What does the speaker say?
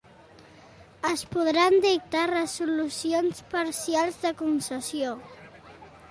Es podran dictar resolucions parcials de concessió.